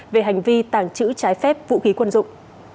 về hành vi tàng trữ trái phép vũ khí quân dụng